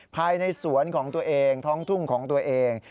ภายในสวนของตัวเองท้องทุ่งของตัวเอง